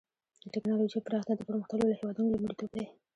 د ټکنالوجۍ پراختیا د پرمختللو هېوادونو لومړیتوب دی.